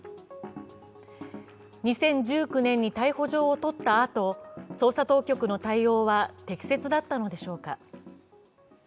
２０１９年に逮捕状を取ったあと、捜査当局の対応は適切だったのでしょうか。